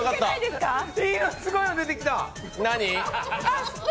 すごいの出てきた！